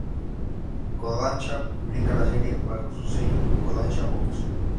Kodansha publica la serie bajo su sello Kodansha Box.